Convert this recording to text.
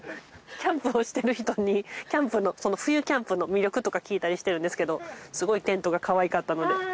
キャンプをしてる人に冬キャンプの魅力とか聞いたりしてるんですけどすごいテントがかわいかったので。